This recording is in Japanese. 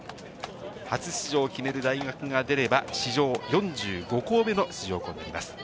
初出場を決める大学が出れば、史上４５校目の出場校になります。